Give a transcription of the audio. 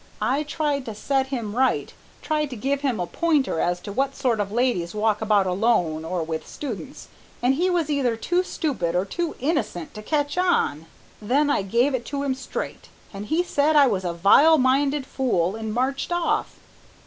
I tried to set him right, tried to give him a pointer as to what sort of ladies walk about alone or with students, and he was either too stupid or too innocent to catch on. Then I gave it to him straight, and he said I was a vile minded fool and marched off."